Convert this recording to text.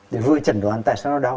để vừa chẩn đoán tại sao nó đau